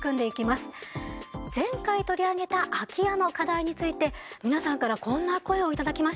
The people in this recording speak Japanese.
前回取り上げた空き家の課題について皆さんからこんな声を頂きました。